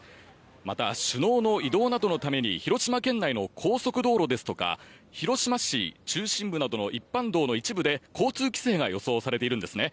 また、首脳の移動などのために広島県内の高速道路ですとか広島市中心部などの一般道の一部で交通規制が予想されているんですね。